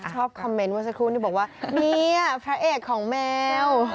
ชอบคอมเมนต์เมื่อสักครู่นี้บอกว่าเนี่ยพระเอกของแมว